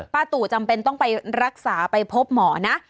ตู่จำเป็นต้องไปรักษาไปพบหมอนะ